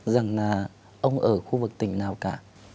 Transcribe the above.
rằng là ông ở khu vực tỉnh nào cả